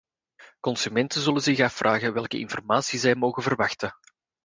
Consumenten zullen zich afvragen welke informatie zij mogen verwachten.